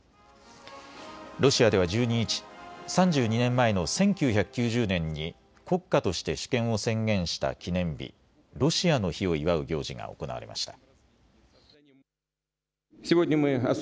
ロシアでは１２日、３２年前の１９９０年に国家として主権を宣言した記念日、ロシアの日を祝う行事が行われました。